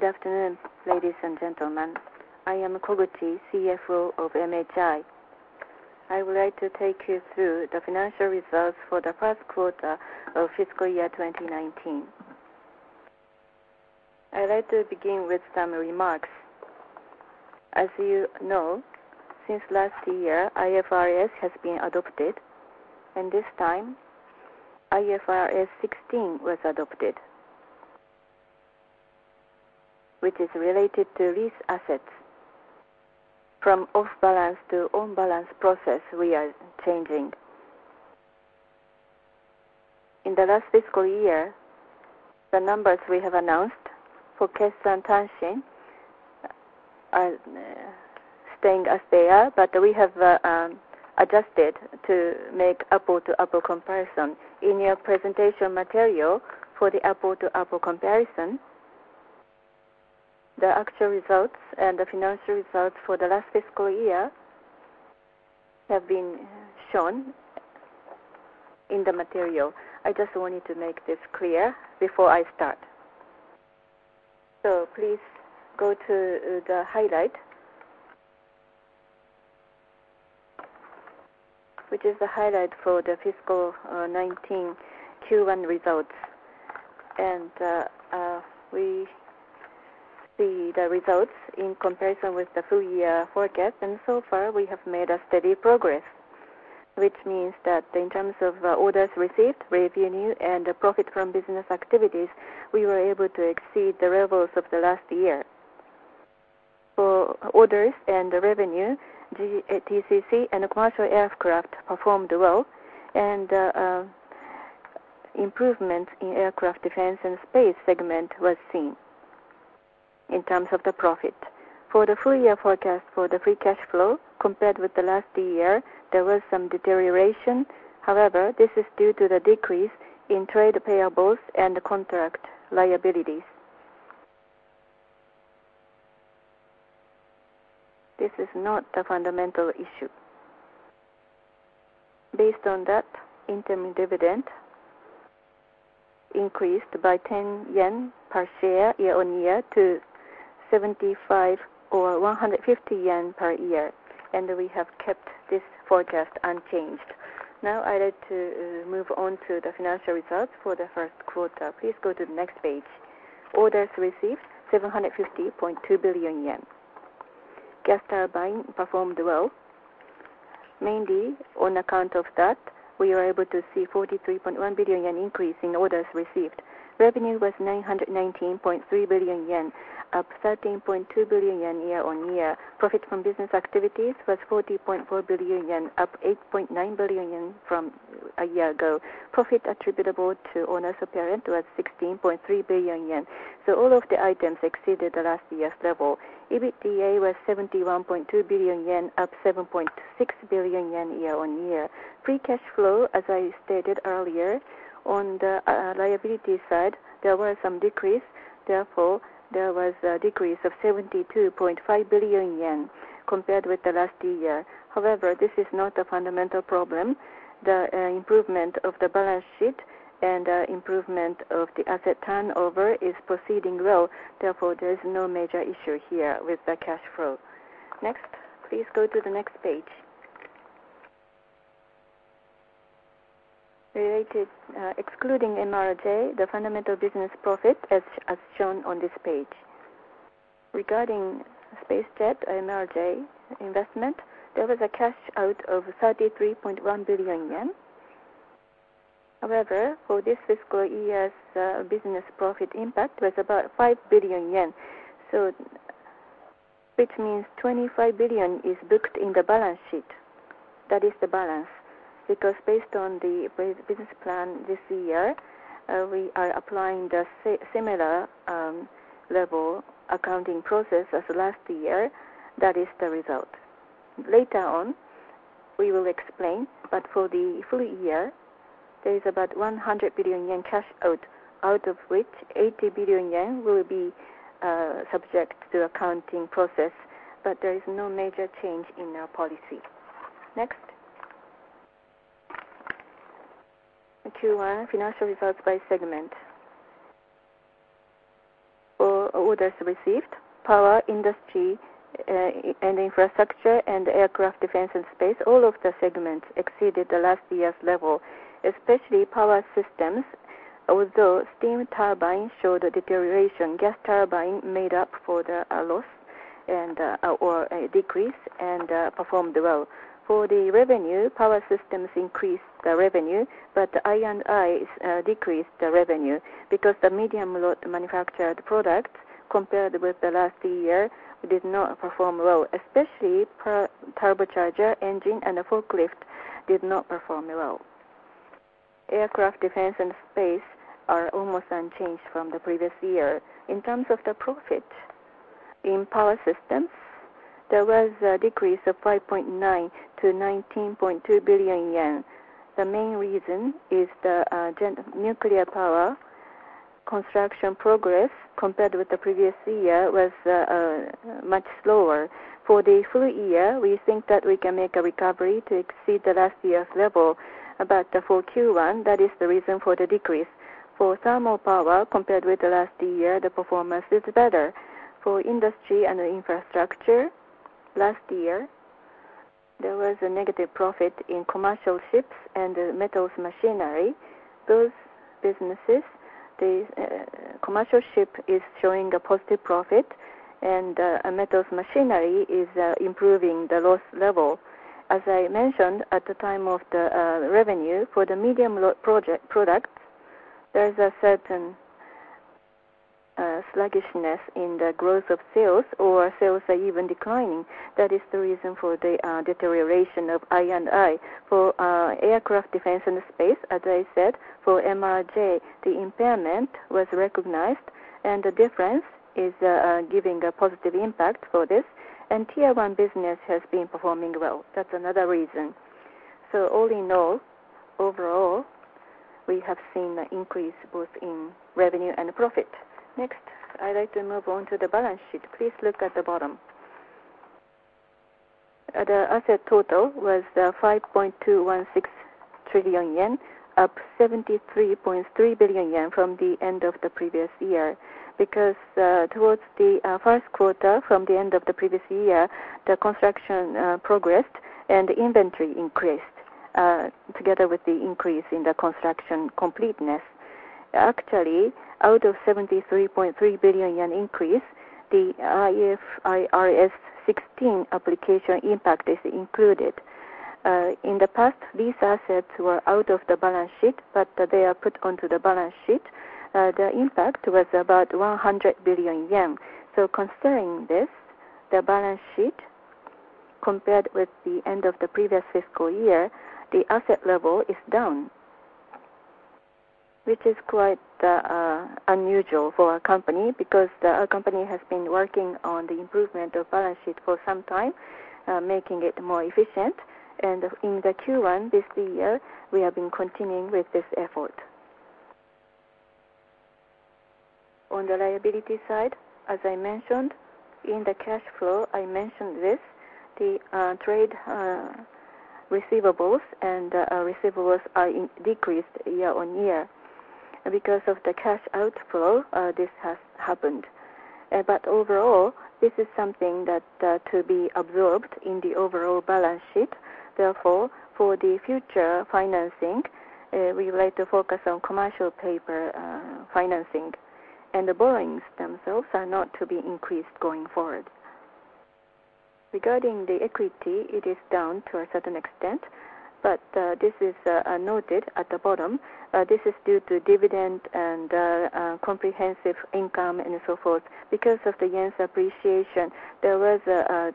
Good afternoon, ladies and gentlemen. I am Kozawa, CFO of MHI. I would like to take you through the financial results for the first quarter of fiscal year 2019. I'd like to begin with some remarks. As you know, since last year, IFRS has been adopted, and this time, IFRS 16 was adopted, which is related to lease assets. From off-balance to on-balance process, we are changing. In the last fiscal year, the numbers we have announced for Kessan Tanshin are staying as they are, but we have adjusted to make apple-to-apple comparison. In your presentation material for the apple-to-apple comparison, the actual results and the financial results for the last fiscal year have been shown in the material. I just wanted to make this clear before I start. Please go to the highlight, which is the highlight for the fiscal 2019 Q1 results. We see the results in comparison with the full-year forecast. So far, we have made steady progress, which means that in terms of orders received, revenue, and profit from business activities, we were able to exceed the levels of the last year. For orders and revenue, GTCC and commercial aircraft performed well, and improvement in Aircraft, Defense & Space segment was seen in terms of the profit. For the full-year forecast for free cash flow, compared with the last year, there was some deterioration. However, this is due to the decrease in trade payables and contract liabilities. This is not a fundamental issue. Based on that, interim dividend increased by 10 yen per share year-on-year to 150 yen per year. We have kept this forecast unchanged. Now, I'd like to move on to the financial results for the first quarter. Please go to the next page. Orders received, 750.2 billion yen. Gas Turbine performed well. Mainly on account of that, we were able to see 43.1 billion yen increase in orders received. Revenue was 919.3 billion yen, up 13.2 billion yen year-on-year. Profit from business activities was 14.4 billion yen, up 8.9 billion yen from a year ago. Profit attributable to owners of parent was 16.3 billion yen. All of the items exceeded the last year's level. EBITDA was 71.2 billion yen, up 7.6 billion yen year-on-year. Free cash flow, as I stated earlier, on the liability side, there were some decrease, therefore, there was a decrease of 72.5 billion yen compared with the last year. However, this is not a fundamental problem. The improvement of the balance sheet and improvement of the asset turnover is proceeding well, therefore, there is no major issue here with the cash flow. Next, please go to the next page. Related, excluding MRJ, the fundamental business profit as shown on this page. Regarding SpaceJet, MRJ investment, there was a cash out of 33.1 billion yen. However, for this fiscal year's business profit impact was about 5 billion yen. Which means 25 billion is booked in the balance sheet. That is the balance. Because based on the business plan this year, we are applying the similar level accounting process as last year. That is the result. Later on, we will explain, but for the full year, there is about 100 billion yen cash out of which 80 billion yen will be subject to accounting process, but there is no major change in our policy. Next. Q1 financial results by segment. For orders received, Power, Industry & Infrastructure, and Aircraft, Defense & Space, all of the segments exceeded the last year's level. Especially Power Systems, although Steam Turbine showed a deterioration, Gas Turbine made up for the loss or decrease and performed well. For the revenue, Power Systems increased the revenue, but I&I decreased the revenue because the medium-lot manufactured products, compared with the last year, did not perform well. Especially Turbocharger, engine, and Forklift did not perform well. Aircraft, Defense & Space are almost unchanged from the previous year. In terms of the profit, in Power Systems, there was a decrease of 5.9 billion to 19.2 billion yen. The main reason is the Nuclear Power construction progress, compared with the previous year, was much slower. For the full year, we think that we can make a recovery to exceed the last year's level. For Q1, that is the reason for the decrease. For thermal power, compared with the last year, the performance is better. For Industry & Infrastructure, last year there was a negative profit in Commercial Ships and Metals Machinery. Those businesses, the Commercial Ship is showing a positive profit and Metals Machinery is improving the loss level. As I mentioned at the time of the revenue, for the medium-lot products, there is a certain sluggishness in the growth of sales, or sales are even declining. That is the reason for the deterioration of I&I. For Aircraft, Defense & Space, as I said, for MRJ, the impairment was recognized. The difference is giving a positive impact for this. Tier 1 business has been performing well. That's another reason. All in all, overall, we have seen an increase both in revenue and profit. Next, I'd like to move on to the balance sheet. Please look at the bottom. The asset total was 5.216 trillion yen, up 73.3 billion yen from the end of the previous year. Towards the first quarter, from the end of the previous year, the construction progressed and the inventory increased, together with the increase in the construction completeness. Out of 73.3 billion yen increase, the IFRS 16 application impact is included. In the past, these assets were out of the balance sheet, but they are put onto the balance sheet. The impact was about 100 billion yen. Considering this, the balance sheet, compared with the end of the previous fiscal year, the asset level is down, which is quite unusual for our company, because our company has been working on the improvement of balance sheet for some time, making it more efficient. In the Q1 this year, we have been continuing with this effort. On the liability side, as I mentioned in the cash flow, I mentioned this, the trade receivables and receivables are decreased year on year. Because of the cash outflow, this has happened. Overall, this is something to be absorbed in the overall balance sheet. Therefore, for the future financing, we would like to focus on commercial paper financing, and the borrowings themselves are not to be increased going forward. Regarding the equity, it is down to a certain extent, but this is noted at the bottom. This is due to dividend and comprehensive income and so forth. Because of the yen's appreciation, there was a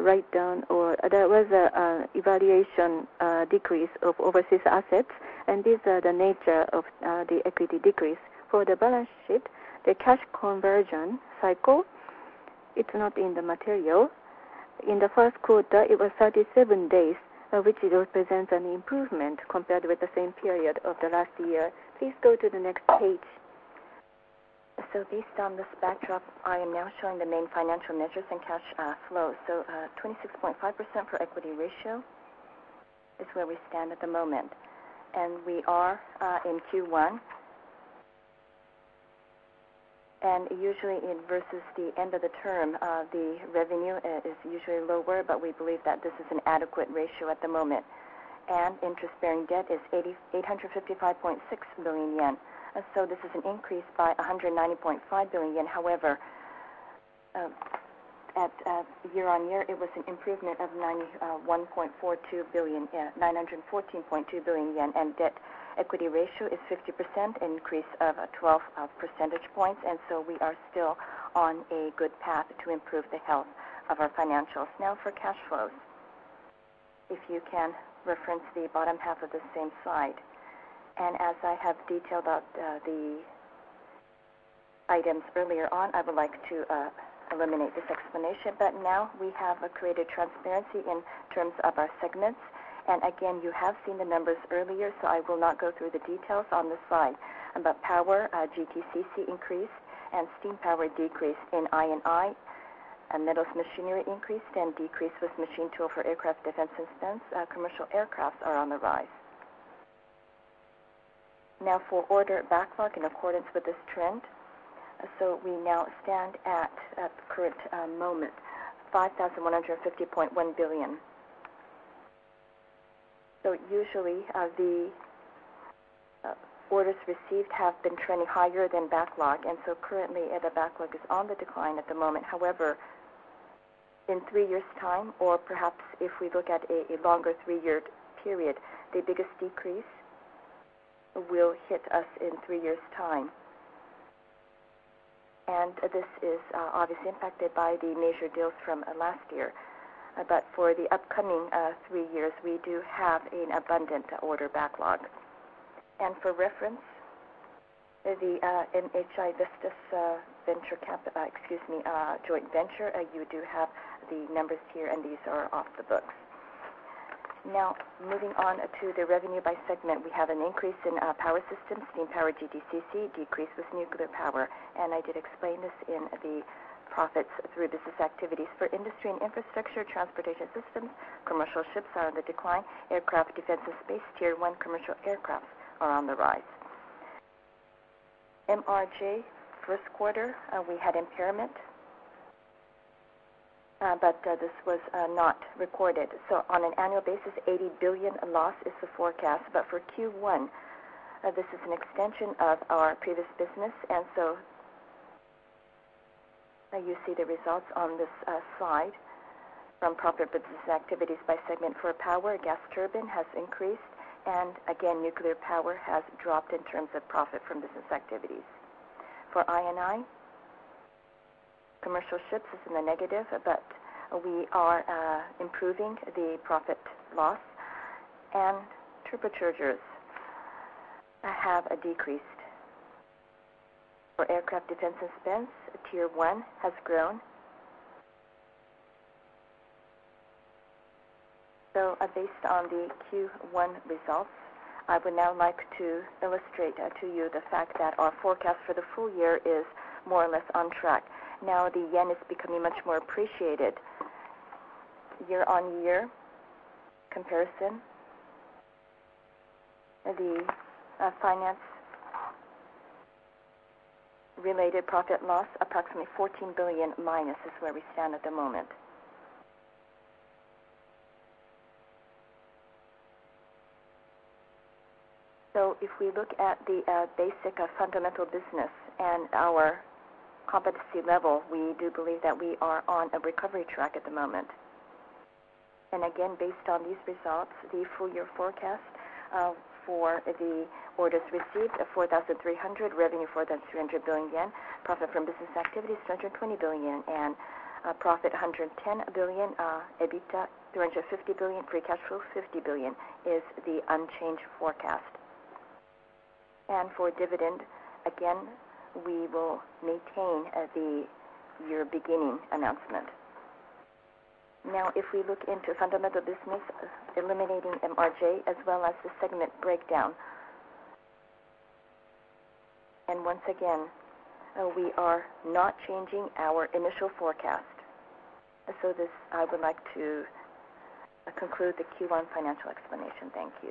write-down, or there was a evaluation decrease of overseas assets, and these are the nature of the equity decrease. For the balance sheet, the cash conversion cycle, it's not in the material. In the first quarter, it was 37 days, which represents an improvement compared with the same period of the last year. Please go to the next page. Based on this backdrop, I am now showing the main financial measures and cash flows. 26.5% for equity ratio is where we stand at the moment, and we are in Q1. Usually versus the end of the term, the revenue is usually lower, but we believe that this is an adequate ratio at the moment. Interest-bearing debt is 855.6 billion yen. This is an increase by 190.5 billion yen. However, at year-on-year, it was an improvement of 914.2 billion yen. Debt equity ratio is 50%, an increase of 12 percentage points. We are still on a good path to improve the health of our financials. For cash flows, if you can reference the bottom half of the same slide. As I have detailed out the items earlier on, I would like to eliminate this explanation. Now we have created transparency in terms of our segments. Again, you have seen the numbers earlier, I will not go through the details on this slide. Power, GTCC increased and Steam Power decreased in I&I. Metals Machinery increased and decreased with Machine Tool. For Aircraft, Defense & Space, commercial aircraft are on the rise. For order backlog in accordance with this trend. We now stand at the current moment, 5,150.1 billion. Usually, the orders received have been trending higher than backlog, currently the backlog is on the decline at the moment. However, in three years' time, or perhaps if we look at a longer three-year period, the biggest decrease will hit us in three years' time. This is obviously impacted by the major deals from last year. For the upcoming three years, we do have an abundant order backlog. For reference, the MHI Vestas joint venture, you do have the numbers here, and these are off the books. Now, moving on to the revenue by segment. We have an increase in Power Systems, Steam Power, GTCC, decrease with Nuclear Power. I did explain this in the profit from business activities. For Industry & Infrastructure, Transportation Systems, Commercial Ships are on the decline. Aircraft, Defense, and Space, Tier 1 Commercial Aircraft are on the rise. MRJ first quarter, we had impairment, this was not recorded. On an annual basis, 80 billion loss is the forecast. For Q1, this is an extension of our previous business, you see the results on this slide from profit from business activities by segment. For power, Gas Turbine has increased, again, Nuclear Power has dropped in terms of profit from business activities. For I&I, Commercial Ships is in the negative, we are improving the profit loss, Turbochargers have decreased. For Aircraft, Defense & Space, Tier 1 has grown. Based on the Q1 results, I would now like to illustrate to you the fact that our forecast for the full year is more or less on track. Now the yen is becoming much more appreciated. Year-on-year comparison, the finance-related profit loss, approximately 14 billion minus is where we stand at the moment. If we look at the basic fundamental business and our competency level, we do believe that we are on a recovery track at the moment. Again, based on these results, the full-year forecast for the orders received of 4,300, revenue 4,300 billion yen, profit from business activities 320 billion yen, and profit 110 billion, EBITDA 350 billion, free cash flow 50 billion is the unchanged forecast. For dividend, again, we will maintain the year beginning announcement. If we look into fundamental business, eliminating MRJ as well as the segment breakdown. Once again, we are not changing our initial forecast. With this, I would like to conclude the Q1 financial explanation. Thank you.